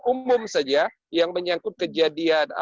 umum saja yang menyangkut kejadian